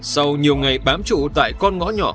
sau nhiều ngày bám trụ tại con ngõ nhỏ